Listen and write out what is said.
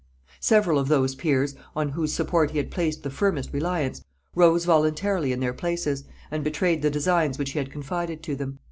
Several of those peers, on whose support he had placed the firmest reliance, rose voluntarily in their places, and betrayed the designs which he had confided to them.